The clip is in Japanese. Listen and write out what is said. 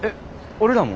俺らも？